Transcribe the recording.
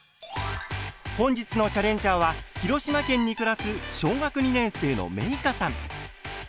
本日のチャレンジャーは広島県に暮らす小学２年生のめいかさん。